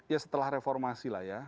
ya setelah reformasi lah ya